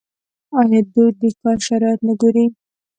آیا دوی د کار شرایط نه ګوري؟